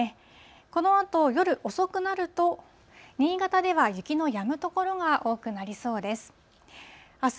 このあと夜遅くなると、新潟では雪のやむ所が多くなりそうです。